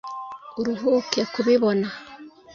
Uruhuke kubibona